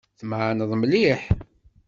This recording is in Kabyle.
Tmeεneḍ mliḥ.